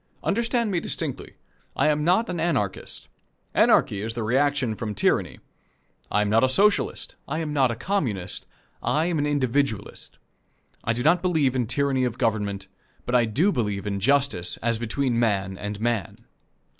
Understand me distinctly. I am not an Anarchist. Anarchy is the reaction from tyranny. I am not a Socialist. I am not a Communist. I am an Individualist. I do not believe in tyranny of government, but I do believe in justice as between man and man.